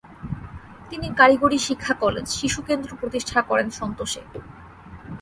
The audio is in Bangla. তিনি কারিগরী শিক্ষা কলেজ, শিশু কেন্দ্র প্রতিষ্ঠা করেন সন্তোষে।